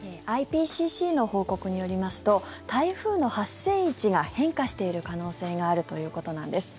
ＩＰＣＣの報告によりますと台風の発生位置が変化している可能性があるということです。